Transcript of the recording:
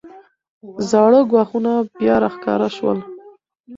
زاړه ګواښونه بیا راښکاره شول.